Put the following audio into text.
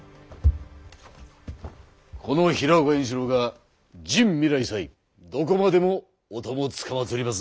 この平岡円四郎が尽未来際どこまでもお供つかまつります。